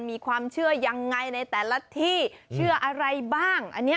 มีความเชื่อยังไงในแต่ละที่เชื่ออะไรบ้างอันนี้